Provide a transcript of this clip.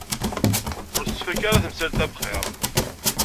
Ur tettfaka ara temsalt-a bxir.